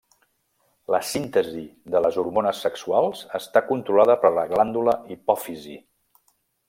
La síntesi de les hormones sexuals està controlada per la glàndula hipòfisi.